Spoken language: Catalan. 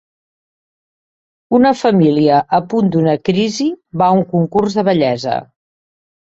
Una família a punt d'una crisi va a un concurs de bellesa.